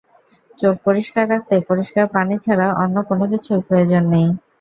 চোখ পরিষ্কার রাখতে পরিষ্কার পানি ছাড়া অন্য কোনো কিছুর প্রয়োজন নেই।